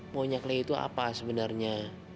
monyak leu itu apa sebenarnya